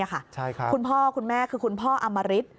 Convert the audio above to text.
คุณพ่อคุณแม่คือคุณพ่ออมริต